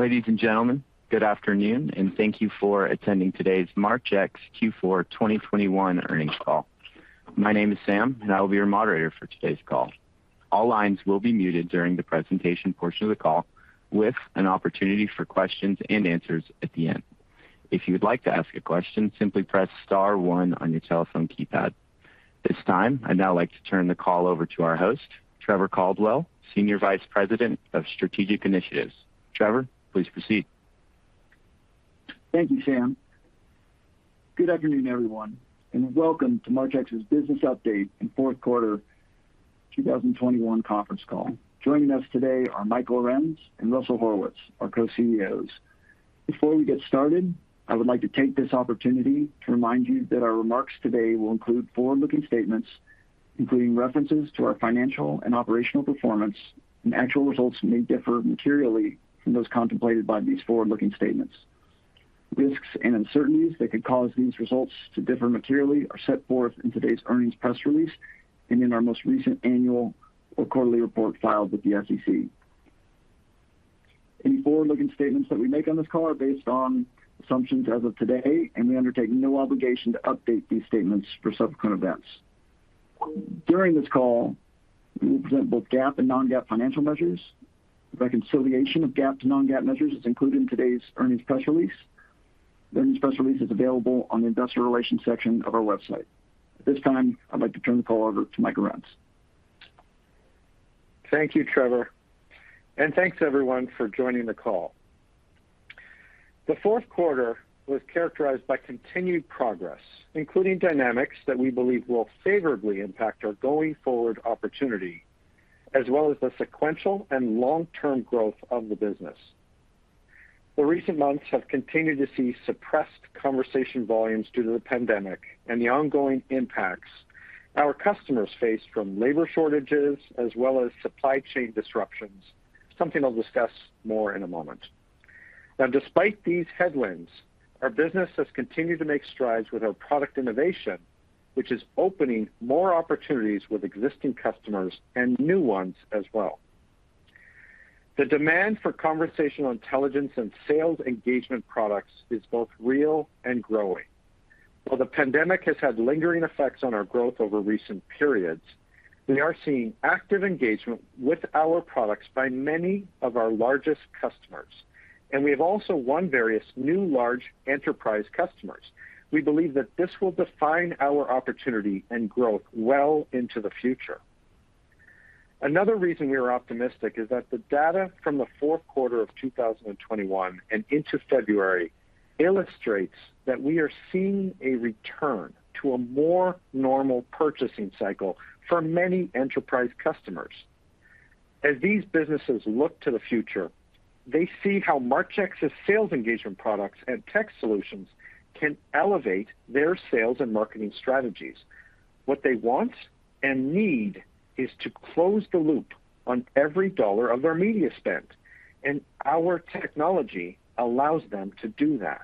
Ladies and gentlemen, good afternoon, and thank you for attending today's Marchex Q4 2021 earnings call. My name is Sam, and I will be your moderator for today's call. All lines will be muted during the presentation portion of the call with an opportunity for questions and answers at the end. If you would like to ask a question, simply press star one on your telephone keypad. At this time, I'd now like to turn the call over to our host, Trevor Caldwell, Senior Vice President of Strategic Initiatives. Trevor, please proceed. Thank you, Sam. Good afternoon, everyone, and welcome to Marchex's Business Update and fourth quarter 2021 conference call. Joining us today are Mike Arends and Russell Horowitz, our co-CEOs. Before we get started, I would like to take this opportunity to remind you that our remarks today will include forward-looking statements, including references to our financial and operational performance, and actual results may differ materially from those contemplated by these forward-looking statements. Risks and uncertainties that could cause these results to differ materially are set forth in today's earnings press release and in our most recent annual or quarterly report filed with the SEC. Any forward-looking statements that we make on this call are based on assumptions as of today, and we undertake no obligation to update these statements for subsequent events. During this call, we will present both GAAP and non-GAAP financial measures. The reconciliation of GAAP to non-GAAP measures is included in today's earnings press release. The earnings press release is available on the investor relations section of our website. At this time, I'd like to turn the call over to Mike Arends. Thank you, Trevor. Thanks everyone for joining the call. The fourth quarter was characterized by continued progress, including dynamics that we believe will favorably impact our going-forward opportunity, as well as the sequential and long-term growth of the business. The recent months have continued to see suppressed conversation volumes due to the pandemic and the ongoing impacts our customers face from labor shortages as well as supply chain disruptions, something I'll discuss more in a moment. Now, despite these headwinds, our business has continued to make strides with our product innovation, which is opening more opportunities with existing customers and new ones as well. The demand for conversational intelligence and sales engagement products is both real and growing. While the pandemic has had lingering effects on our growth over recent periods, we are seeing active engagement with our products by many of our largest customers, and we have also won various new large enterprise customers. We believe that this will define our opportunity and growth well into the future. Another reason we are optimistic is that the data from the fourth quarter of 2021 and into February illustrates that we are seeing a return to a more normal purchasing cycle for many enterprise customers. As these businesses look to the future, they see how Marchex's Sales Engagement products and tech solutions can elevate their sales and marketing strategies. What they want and need is to close the loop on every dollar of their media spend, and our technology allows them to do that.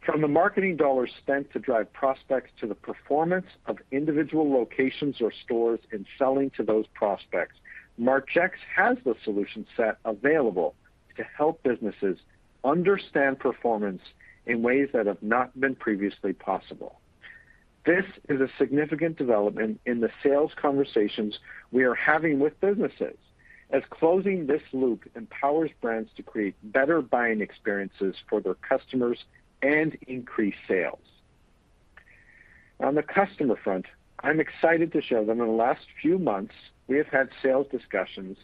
From the marketing dollars spent to drive prospects to the performance of individual locations or stores in selling to those prospects, Marchex has the solution set available to help businesses understand performance in ways that have not been previously possible. This is a significant development in the sales conversations we are having with businesses as closing this loop empowers brands to create better buying experiences for their customers and increase sales. On the customer front, I'm excited to share that in the last few months we have had sales discussions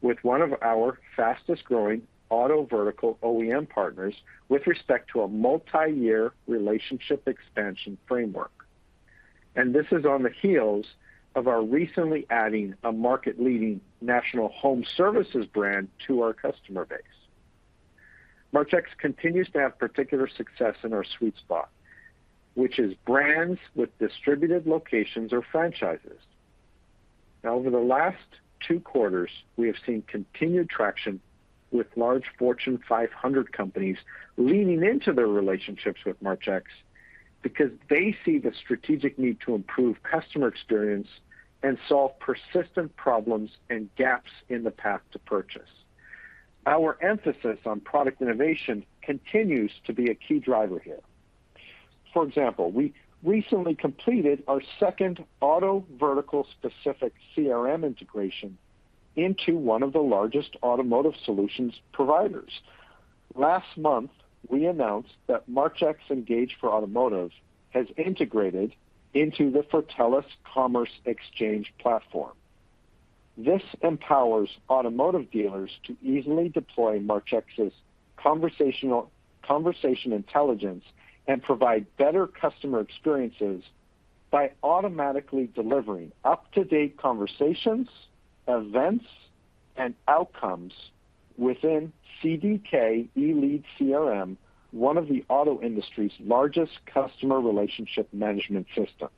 with one of our fastest-growing auto vertical OEM partners with respect to a multi-year relationship expansion framework. This is on the heels of our recently adding a market-leading national home services brand to our customer base. Marchex continues to have particular success in our sweet spot, which is brands with distributed locations or franchises. Now, over the last two quarters, we have seen continued traction with large Fortune 500 companies leaning into their relationships with Marchex because they see the strategic need to improve customer experience and solve persistent problems and gaps in the path to purchase. Our emphasis on product innovation continues to be a key driver here. For example, we recently completed our second auto vertical specific CRM integration into one of the largest automotive solutions providers. Last month, we announced that Marchex Engage for Automotive has integrated into the Fortellis Commerce Exchange platform. This empowers automotive dealers to easily deploy Marchex's conversation intelligence and provide better customer experiences by automatically delivering up-to-date conversations, events, and outcomes within CDK Elead CRM, one of the auto industry's largest customer relationship management systems.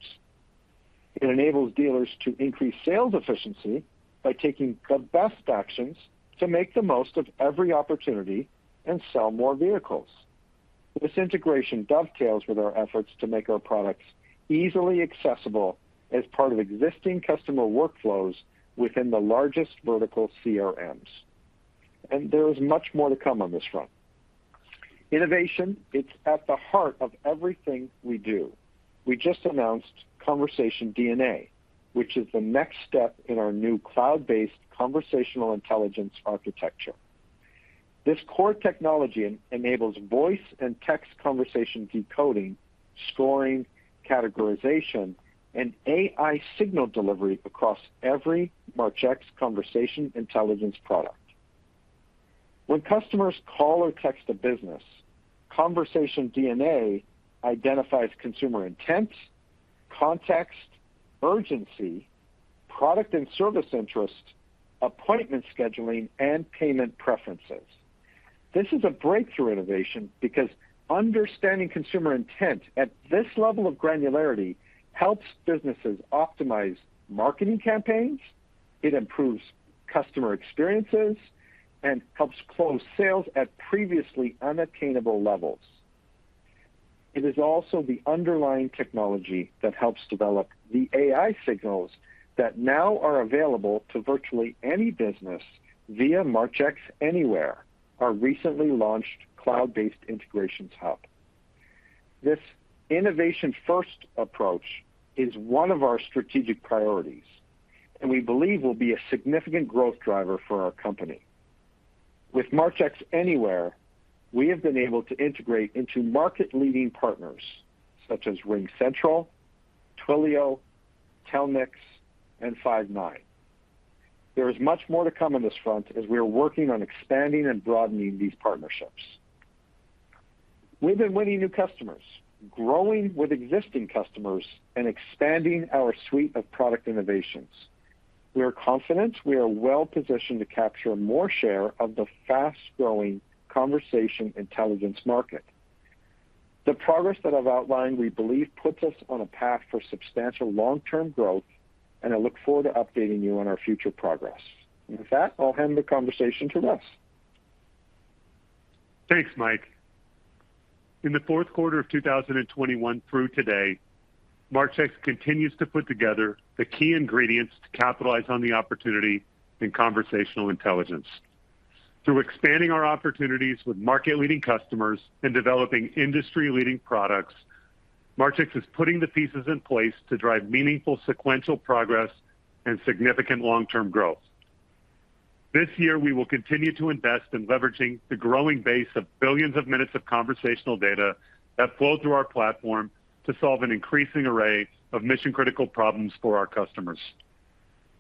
It enables dealers to increase sales efficiency by taking the best actions to make the most of every opportunity and sell more vehicles. This integration dovetails with our efforts to make our products easily accessible as part of existing customer workflows within the largest vertical CRMs. There is much more to come on this front. Innovation, it's at the heart of everything we do. We just announced Conversation DNA, which is the next step in our new cloud-based Conversational Intelligence architecture. This core technology enables voice and text conversation decoding, scoring, categorization, and AI signal delivery across every Marchex Conversational Intelligence product. When customers call or text a business, Conversation DNA identifies consumer intent, context, urgency, product and service interest, appointment scheduling, and payment preferences. This is a breakthrough innovation because understanding consumer intent at this level of granularity helps businesses optimize marketing campaigns, it improves customer experiences, and helps close sales at previously unattainable levels. It is also the underlying technology that helps develop the AI signals that now are available to virtually any business via Marchex Anywhere, our recently launched cloud-based integrations hub. This innovation-first approach is one of our strategic priorities, and we believe will be a significant growth driver for our company. With Marchex Anywhere, we have been able to integrate into market-leading partners such as RingCentral, Twilio, Telnyx, and Five9. There is much more to come on this front as we are working on expanding and broadening these partnerships. We've been winning new customers, growing with existing customers, and expanding our suite of product innovations. We are confident we are well-positioned to capture more share of the fast-growing Conversational Intelligence market. The progress that I've outlined, we believe, puts us on a path for substantial long-term growth, and I look forward to updating you on our future progress. With that, I'll hand the conversation to Russ. Thanks, Mike. In the fourth quarter of 2021 through today, Marchex continues to put together the key ingredients to capitalize on the opportunity in conversational intelligence. Through expanding our opportunities with market-leading customers and developing industry-leading products, Marchex is putting the pieces in place to drive meaningful sequential progress and significant long-term growth. This year, we will continue to invest in leveraging the growing base of billions of minutes of conversational data that flow through our platform to solve an increasing array of mission-critical problems for our customers.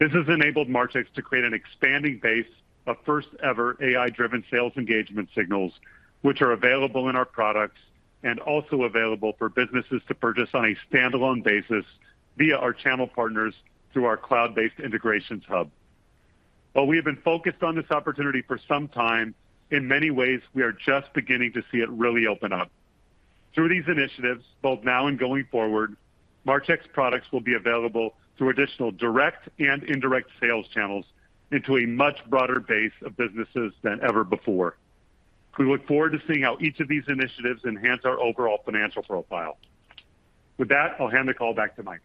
This has enabled Marchex to create an expanding base of first-ever AI-driven sales engagement signals, which are available in our products and also available for businesses to purchase on a standalone basis via our channel partners through our cloud-based integrations hub. While we have been focused on this opportunity for some time, in many ways, we are just beginning to see it really open up. Through these initiatives, both now and going forward, Marchex products will be available through additional direct and indirect sales channels into a much broader base of businesses than ever before. We look forward to seeing how each of these initiatives enhance our overall financial profile. With that, I'll hand the call back to Mike.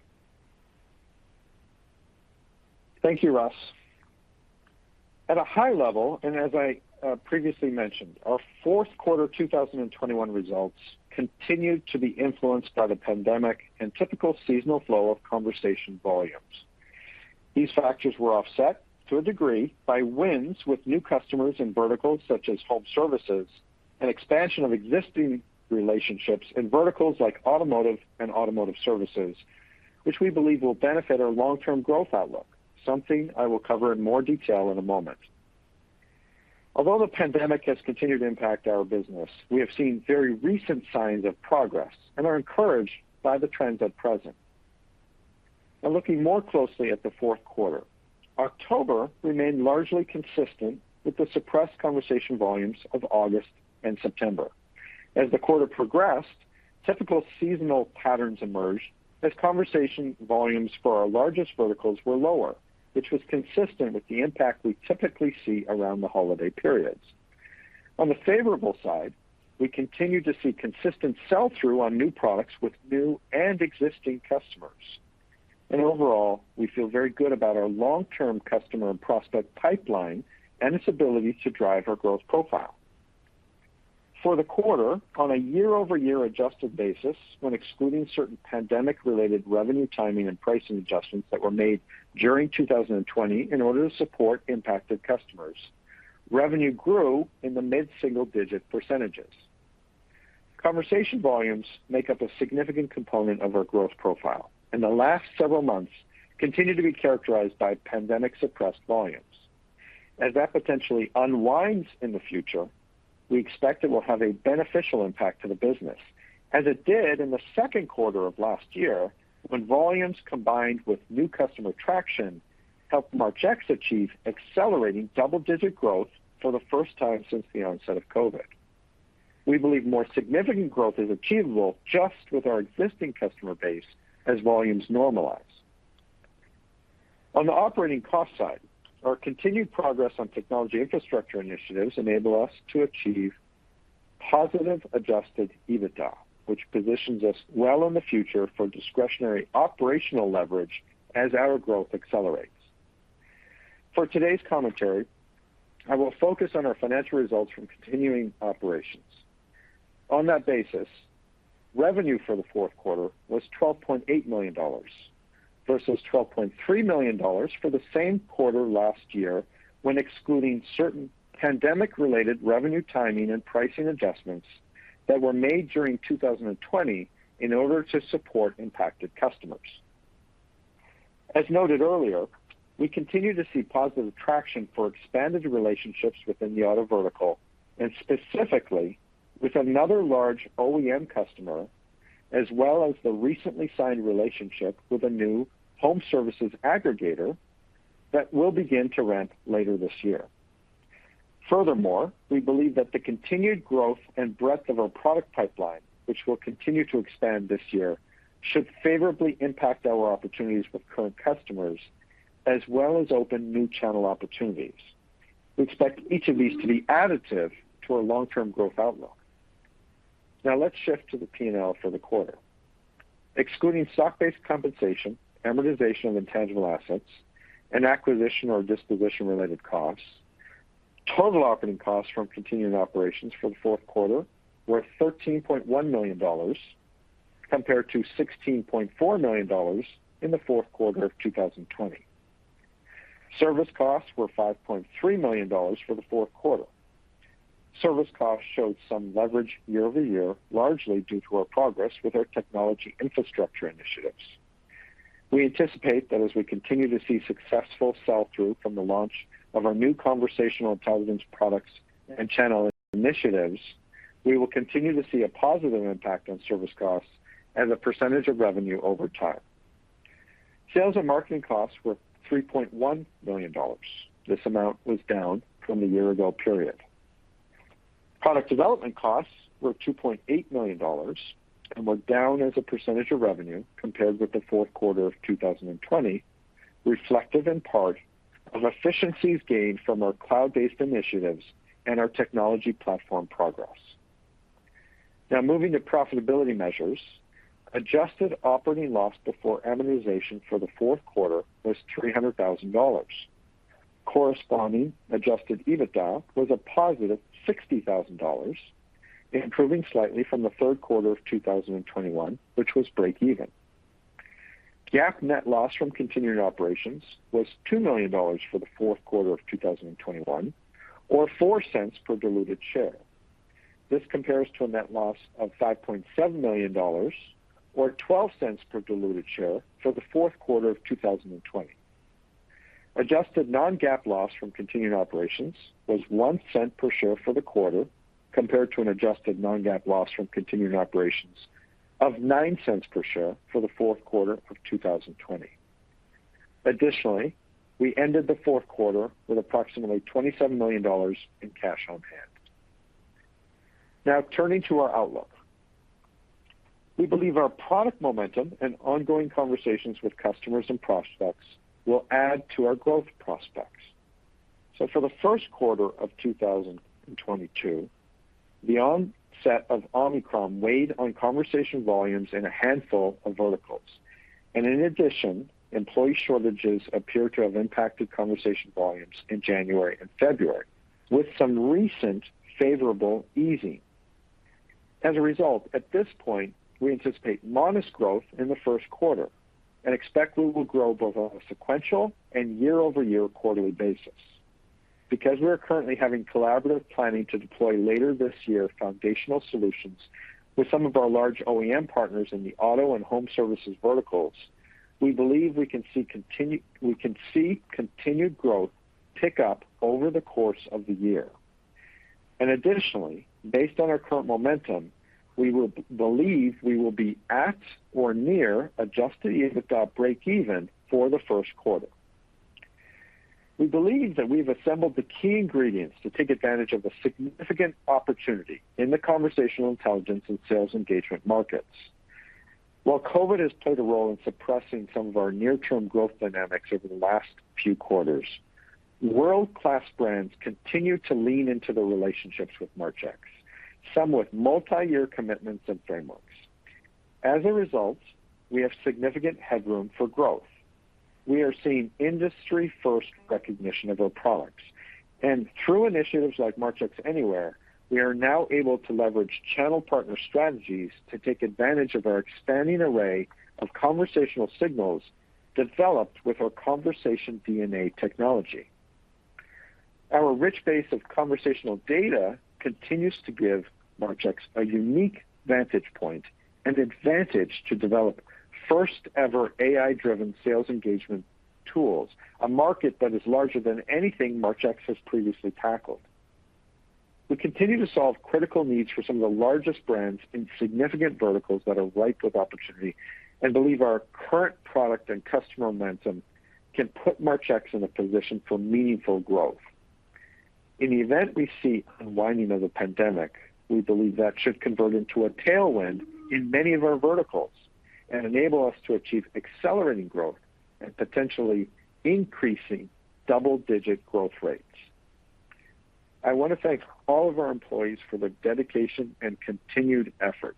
Thank you, Russ. At a high level, and as I previously mentioned, our fourth quarter 2021 results continued to be influenced by the pandemic and typical seasonal flow of conversation volumes. These factors were offset to a degree by wins with new customers in verticals such as home services and expansion of existing relationships in verticals like automotive and automotive services, which we believe will benefit our long-term growth outlook, something I will cover in more detail in a moment. Although the pandemic has continued to impact our business, we have seen very recent signs of progress and are encouraged by the trends at present. Now looking more closely at the fourth quarter. October remained largely consistent with the suppressed conversation volumes of August and September. As the quarter progressed, typical seasonal patterns emerged as conversation volumes for our largest verticals were lower, which was consistent with the impact we typically see around the holiday periods. On the favorable side, we continued to see consistent sell-through on new products with new and existing customers. Overall, we feel very good about our long-term customer and prospect pipeline and its ability to drive our growth profile. For the quarter, on a year-over-year adjusted basis, when excluding certain pandemic-related revenue timing and pricing adjustments that were made during 2020 in order to support impacted customers, revenue grew in the mid-single-digit percentages. Conversation volumes make up a significant component of our growth profile, and the last several months continue to be characterized by pandemic-suppressed volumes. As that potentially unwinds in the future, we expect it will have a beneficial impact to the business, as it did in the second quarter of last year, when volumes combined with new customer traction helped Marchex achieve accelerating double-digit growth for the first time since the onset of COVID. We believe more significant growth is achievable just with our existing customer base as volumes normalize. On the operating cost side, our continued progress on technology infrastructure initiatives enable us to achieve positive adjusted EBITDA, which positions us well in the future for discretionary operational leverage as our growth accelerates. For today's commentary, I will focus on our financial results from continuing operations. On that basis, revenue for the fourth quarter was $12.8 million versus $12.3 million for the same quarter last year, when excluding certain pandemic-related revenue timing and pricing adjustments that were made during 2020 in order to support impacted customers. As noted earlier, we continue to see positive traction for expanded relationships within the auto vertical and specifically with another large OEM customer, as well as the recently signed relationship with a new home services aggregator that will begin to ramp later this year. Furthermore, we believe that the continued growth and breadth of our product pipeline, which will continue to expand this year, should favorably impact our opportunities with current customers as well as open new channel opportunities. We expect each of these to be additive to our long-term growth outlook. Now let's shift to the P&L for the quarter. Excluding stock-based compensation, amortization of intangible assets, and acquisition or disposition-related costs, total operating costs from continuing operations for the fourth quarter were $13.1 million compared to $16.4 million in the fourth quarter of 2020. Service costs were $5.3 million for the fourth quarter. Service costs showed some leverage year-over-year, largely due to our progress with our technology infrastructure initiatives. We anticipate that as we continue to see successful sell-through from the launch of our new Conversational Intelligence products and channel initiatives, we will continue to see a positive impact on service costs as a percentage of revenue over time. Sales and marketing costs were $3.1 million. This amount was down from the year-ago period. Product development costs were $2.8 million and were down as a percentage of revenue compared with the fourth quarter of 2020, reflective in part of efficiencies gained from our cloud-based initiatives and our technology platform progress. Now moving to profitability measures, adjusted operating loss before amortization for the fourth quarter was $300,000. Corresponding Adjusted EBITDA was a positive $60,000, improving slightly from the third quarter of 2021, which was breakeven. GAAP net loss from continuing operations was $2 million for the fourth quarter of 2021, or $0.04 per diluted share. This compares to a net loss of $5.7 million or $0.12 per diluted share for the fourth quarter of 2020. Adjusted non-GAAP loss from continuing operations was $0.01 per share for the quarter, compared to an adjusted non-GAAP loss from continuing operations of $0.09 per share for the fourth quarter of 2020. Additionally, we ended the fourth quarter with approximately $27 million in cash on hand. Now turning to our outlook. We believe our product momentum and ongoing conversations with customers and prospects will add to our growth prospects. For the first quarter of 2022, the onset of Omicron weighed on conversation volumes in a handful of verticals. In addition, employee shortages appear to have impacted conversation volumes in January and February, with some recent favorable easing. As a result, at this point, we anticipate modest growth in the first quarter and expect we will grow both on a sequential and year-over-year quarterly basis. Because we are currently having collaborative planning to deploy later this year foundational solutions with some of our large OEM partners in the auto and home services verticals, we believe we can see continued growth pick up over the course of the year. Additionally, based on our current momentum, we believe we will be at or near Adjusted EBITDA breakeven for the first quarter. We believe that we've assembled the key ingredients to take advantage of the significant opportunity in the Conversational Intelligence and Sales Engagement markets. While COVID has played a role in suppressing some of our near-term growth dynamics over the last few quarters, world-class brands continue to lean into their relationships with Marchex, some with multi-year commitments and frameworks. As a result, we have significant headroom for growth. We are seeing industry-first recognition of our products, and through initiatives like Marchex Anywhere, we are now able to leverage channel partner strategies to take advantage of our expanding array of conversational signals developed with our Conversation DNA technology. Our rich base of conversational data continues to give Marchex a unique vantage point and advantage to develop first-ever AI-driven sales engagement tools, a market that is larger than anything Marchex has previously tackled. We continue to solve critical needs for some of the largest brands in significant verticals that are ripe with opportunity and believe our current product and customer momentum can put Marchex in a position for meaningful growth. In the event we see unwinding of the pandemic, we believe that should convert into a tailwind in many of our verticals and enable us to achieve accelerating growth and potentially increasing double-digit growth rates. I wanna thank all of our employees for their dedication and continued efforts.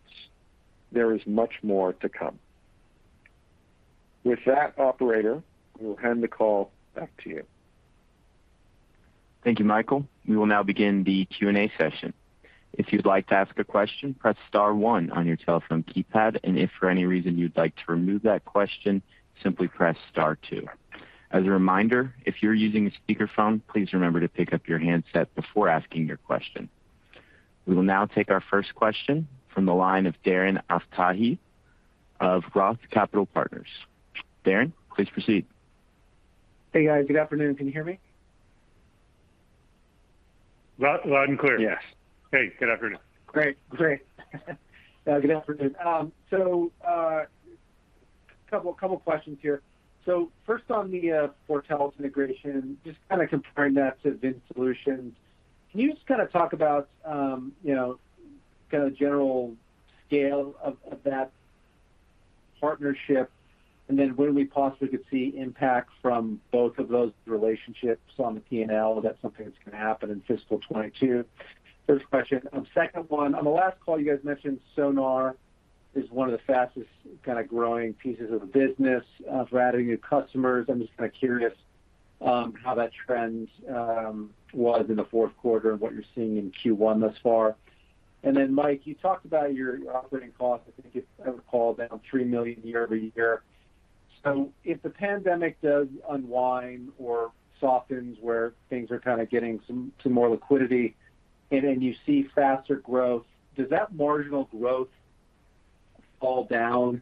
There is much more to come. With that, operator, we'll hand the call back to you. Thank you, Michael. We will now begin the Q&A session. If you'd like to ask a question, press star one on your telephone keypad, and if for any reason you'd like to remove that question, simply press star two. As a reminder, if you're using a speakerphone, please remember to pick up your handset before asking your question. We will now take our first question from the line of Darren Aftahi of Roth Capital Partners. Darren, please proceed. Hey, guys. Good afternoon. Can you hear me? Loud and clear. Yes. Hey, good afternoon. Great. Good afternoon. Couple questions here. First on the Fortellis integration, just kinda comparing that to VinSolutions. Can you just kinda talk about you know, kinda general scale of that partnership? And then when we possibly could see impact from both of those relationships on the P&L? Is that something that's gonna happen in fiscal 2022? Third question. Second one, on the last call, you guys mentioned Sonar is one of the fastest kinda growing pieces of the business for adding new customers. I'm just kinda curious how that trend was in the fourth quarter and what you're seeing in Q1 thus far. And then, Mike, you talked about your operating costs, I think it came down $3 million year-over-year. If the pandemic does unwind or softens where things are kinda getting some more liquidity and then you see faster growth, does that marginal growth fall down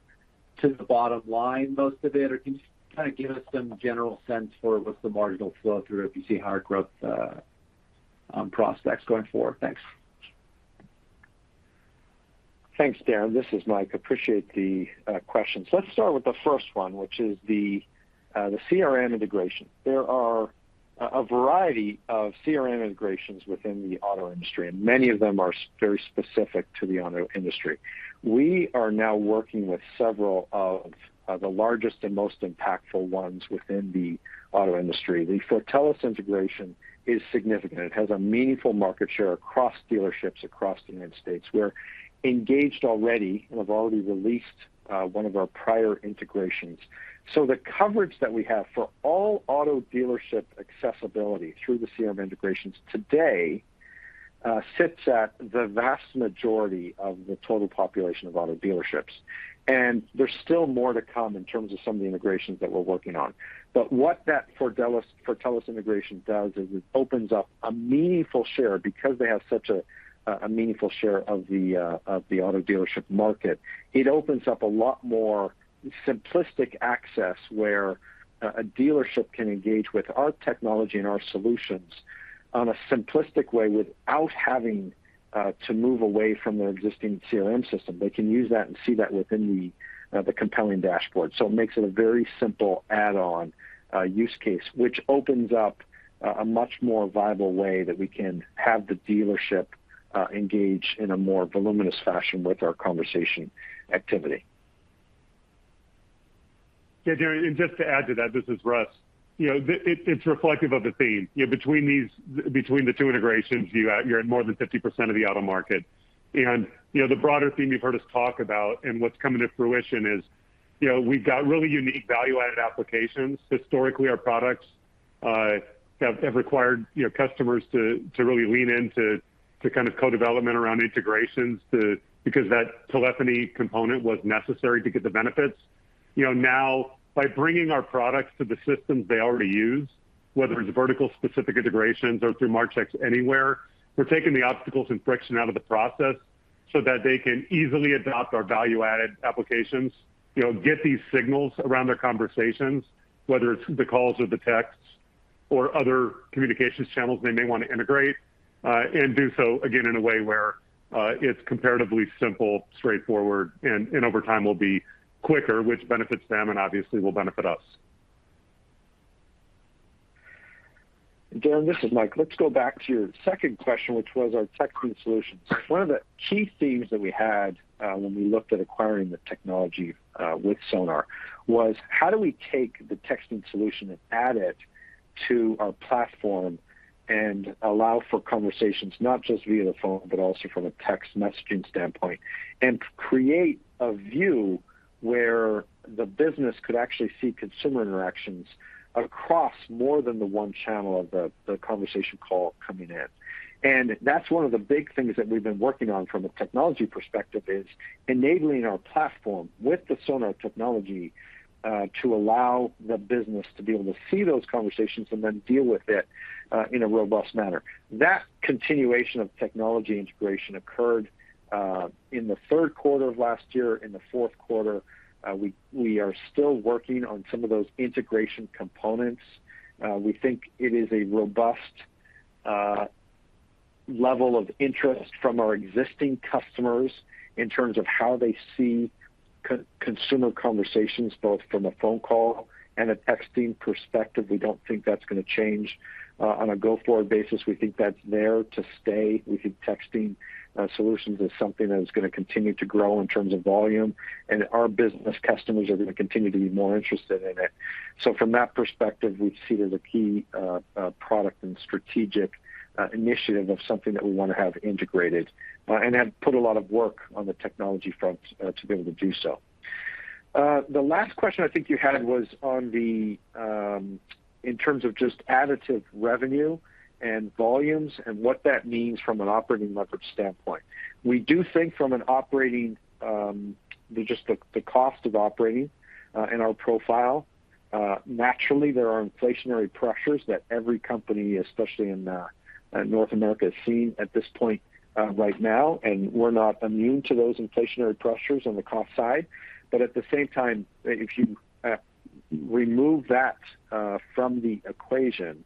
to the bottom line, most of it? Or can you just kinda give us some general sense for what's the marginal flow through if you see higher growth prospects going forward? Thanks. Thanks, Darren. This is Mike. Appreciate the questions. Let's start with the first one, which is the CRM integration. There are a variety of CRM integrations within the auto industry, and many of them are very specific to the auto industry. We are now working with several of the largest and most impactful ones within the auto industry. The Fortellis integration is significant. It has a meaningful market share across dealerships across the United States. We're engaged already and have already released one of our prior integrations. The coverage that we have for all auto dealership accessibility through the CRM integrations today sits at the vast majority of the total population of auto dealerships. There's still more to come in terms of some of the integrations that we're working on. What that Fortellis integration does is it opens up a meaningful share because they have such a meaningful share of the auto dealership market. It opens up a lot more simplistic access where a dealership can engage with our technology and our solutions on a simplistic way without having to move away from their existing CRM system. They can use that and see that within the compelling dashboard. It makes it a very simple add-on use case, which opens up a much more viable way that we can have the dealership engage in a more voluminous fashion with our conversation activity. Yeah, Darren, just to add to that, this is Russ. You know, it's reflective of the theme. You know, between the two integrations, you're at more than 50% of the auto market. You know, the broader theme you've heard us talk about and what's coming to fruition is, you know, we've got really unique value-added applications. Historically, our products have required, you know, customers to really lean in to kind of co-development around integrations because that telephony component was necessary to get the benefits. You know, now by bringing our products to the systems they already use, whether it's vertical specific integrations or through Marchex Anywhere, we're taking the obstacles and friction out of the process so that they can easily adopt our value-added applications. You know, get these signals around their conversations, whether it's the calls or the texts or other communications channels they may wanna integrate, and do so again in a way where, it's comparatively simple, straightforward, and over time will be quicker, which benefits them and obviously will benefit us. Darren, this is Mike. Let's go back to your second question, which was our texting solutions. One of the key themes that we had when we looked at acquiring the technology with Sonar was how do we take the texting solution and add it to our platform and allow for conversations not just via the phone but also from a text messaging standpoint, and create a view where the business could actually see consumer interactions across more than the one channel of the conversation call coming in. That's one of the big things that we've been working on from a technology perspective, is enabling our platform with the Sonar technology to allow the business to be able to see those conversations and then deal with it in a robust manner. That continuation of technology integration occurred in the third quarter of last year, in the fourth quarter. We are still working on some of those integration components. We think it is a robust level of interest from our existing customers in terms of how they see customer conversations, both from a phone call and a texting perspective. We don't think that's gonna change on a go-forward basis. We think that's there to stay. We think texting solutions is something that is gonna continue to grow in terms of volume, and our business customers are gonna continue to be more interested in it. From that perspective, we see it as a key product and strategic initiative of something that we wanna have integrated, and have put a lot of work on the technology front, to be able to do so. The last question I think you had was on the in terms of just additive revenue and volumes and what that means from an operating leverage standpoint. We do think from an operating just the cost of operating in our profile, naturally there are inflationary pressures that every company, especially in North America, is seeing at this point right now, and we're not immune to those inflationary pressures on the cost side. At the same time, if you remove that from the equation,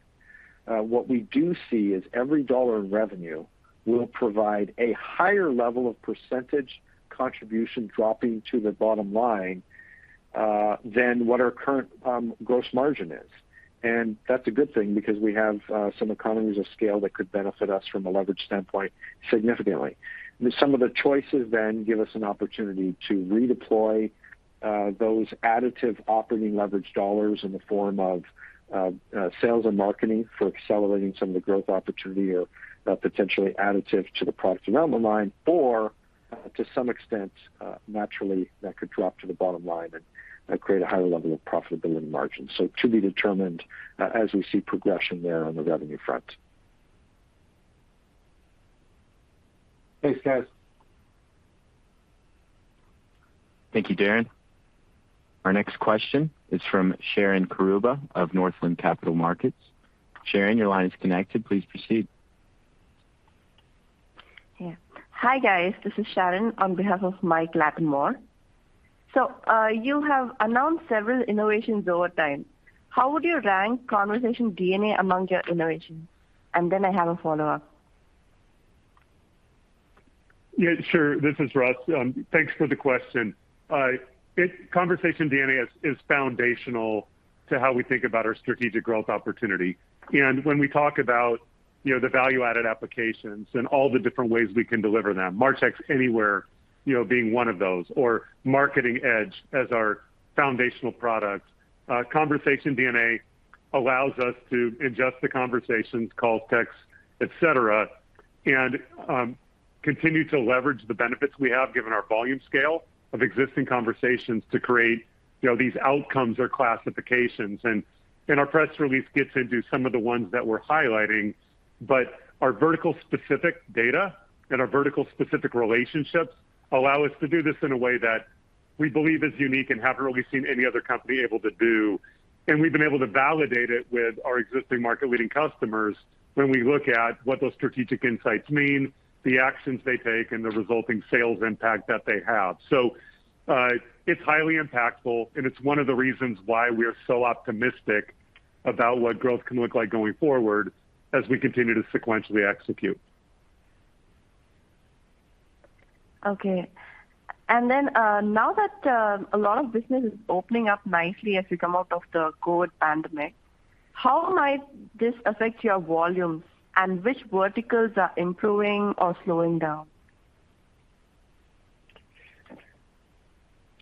what we do see is every dollar in revenue will provide a higher level of percentage contribution dropping to the bottom line than what our current gross margin is. That's a good thing because we have some economies of scale that could benefit us from a leverage standpoint significantly. Some of the choices then give us an opportunity to redeploy those additive operating leverage dollars in the form of sales and marketing for accelerating some of the growth opportunity or potentially additive to the product development line or to some extent naturally that could drop to the bottom line and create a higher level of profitability margin. To be determined as we see progression there on the revenue front. Thanks, guys. Thank you, Darren. Our next question is from Sharon Caruba of Northland Capital Markets. Sharon, your line is connected. Please proceed. Yeah. Hi, guys. This is Sharon on behalf of Mike Latimore. You have announced several innovations over time. How would you rank Conversation DNA among your innovations? And then I have a follow-up. Yeah, sure. This is Russ. Thanks for the question. Conversation DNA is foundational to how we think about our strategic growth opportunity. When we talk about, you know, the value-added applications and all the different ways we can deliver them, Marchex Anywhere, you know, being one of those or Marketing Edge as our foundational product, Conversation DNA allows us to adjust the conversations, call, text, et cetera, and continue to leverage the benefits we have given our volume scale of existing conversations to create, you know, these outcomes or classifications. Our press release gets into some of the ones that we're highlighting. Our vertical specific data and our vertical specific relationships allow us to do this in a way that we believe is unique and haven't really seen any other company able to do. We've been able to validate it with our existing market leading customers when we look at what those strategic insights mean, the actions they take, and the resulting sales impact that they have. It's highly impactful, and it's one of the reasons why we are so optimistic about what growth can look like going forward as we continue to sequentially execute. Okay. Now that a lot of business is opening up nicely as we come out of the COVID pandemic, how might this affect your volumes, and which verticals are improving or slowing down?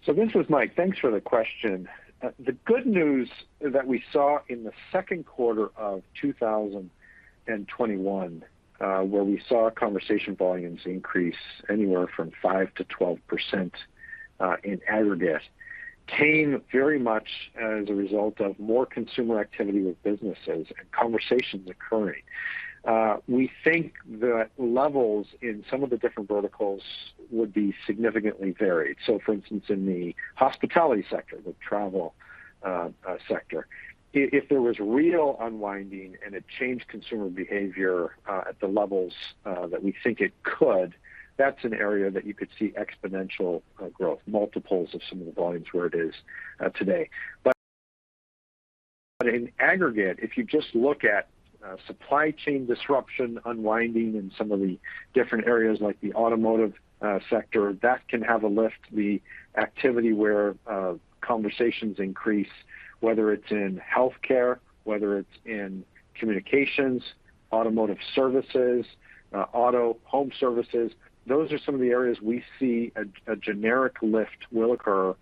This is Mike. Thanks for the question. The good news that we saw in the second quarter of 2021, where we saw conversation volumes increase anywhere from 5%-12%, in aggregate, came very much as a result of more consumer activity with businesses and conversations occurring. We think that levels in some of the different verticals would be significantly varied. For instance, in the hospitality sector, the travel sector, if there was real unwinding and it changed consumer behavior, at the levels that we think it could, that's an area that you could see exponential growth, multiples of some of the volumes where it is today. In aggregate, if you just look at supply chain disruption unwinding in some of the different areas like the automotive sector, that can have a lift. The activity where conversations increase, whether it's in healthcare, whether it's in communications, automotive services, auto home services, those are some of the areas we see a generic lift will occur.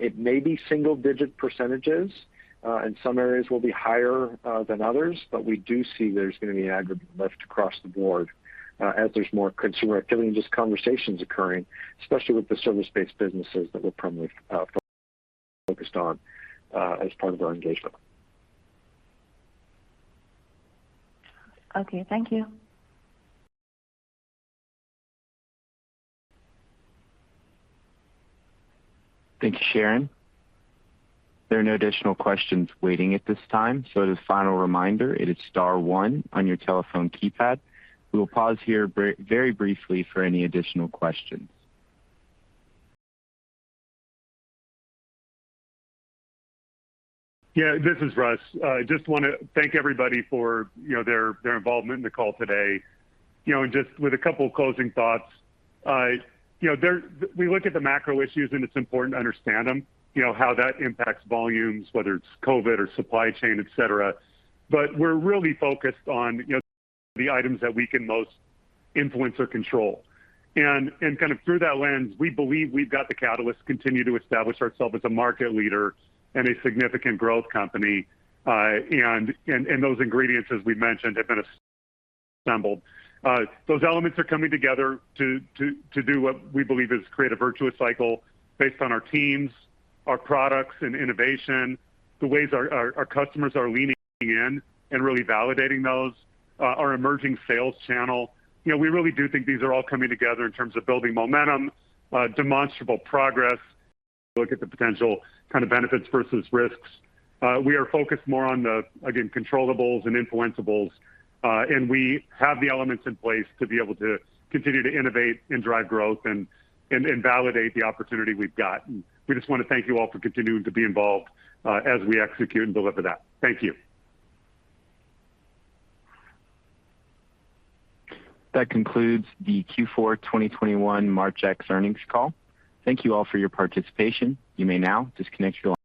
It may be single-digit percentages, and some areas will be higher than others, but we do see there's gonna be aggregate lift across the board, as there's more consumer activity and just conversations occurring, especially with the service-based businesses that we're primarily focused on as part of our engagement. Okay. Thank you. Thanks, Sharon. There are no additional questions waiting at this time. As a final reminder, it is star one on your telephone keypad. We will pause here very briefly for any additional questions. Yeah. This is Russ. I just wanna thank everybody for, you know, their involvement in the call today. You know, and just with a couple of closing thoughts, we look at the macro issues, and it's important to understand them, you know, how that impacts volumes, whether it's COVID or supply chain, et cetera. But we're really focused on, you know, the items that we can most influence or control. And those ingredients, as we mentioned, have been assembled. Those elements are coming together to do what we believe is create a virtuous cycle based on our teams, our products and innovation, the ways our customers are leaning in and really validating those, our emerging sales channel. You know, we really do think these are all coming together in terms of building momentum, demonstrable progress. Look at the potential kind of benefits versus risks. We are focused more on the, again, controllables and influenceables. We have the elements in place to be able to continue to innovate and drive growth and validate the opportunity we've got. We just wanna thank you all for continuing to be involved, as we execute and deliver that. Thank you. That concludes the Q4 2021 Marchex earnings call. Thank you all for your participation. You may now disconnect your line.